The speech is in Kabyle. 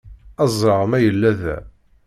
Ad ẓreɣ ma yella da.